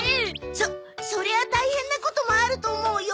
そそりゃあ大変なこともあると思うよ。